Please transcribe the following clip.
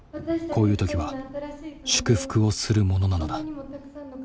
こういうときは祝福をするものなのだ。